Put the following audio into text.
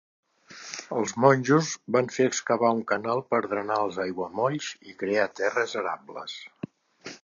Els monjos van fer excavar un canal per drenar els aiguamolls i crear terres arables.